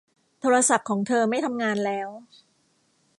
โทรศัพท์ของเธอไม่ทำงานแล้ว